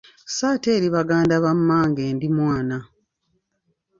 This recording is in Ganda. Sso ate eri Baganda ba mmange ndi mwana.